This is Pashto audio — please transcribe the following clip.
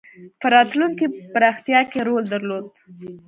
په راتلونکې پراختیا کې رول درلود.